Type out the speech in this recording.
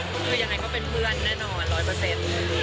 ก็คือยังไงก็เป็นเพื่อนแน่นอนร้อยเปอร์เซ็นต์